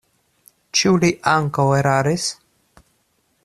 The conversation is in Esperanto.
Ĉu li ankaŭ eraris?